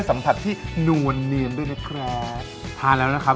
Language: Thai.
โอเคครับเราก็ใส่หอยที่เมื่อกี้เราลวกไว้แล้วก็แกะออกมาจากเนื้อแล้วนะครับ